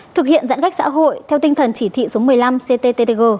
thực hiện giãn cách xã hội theo tinh thần chỉ thị số một mươi năm cttg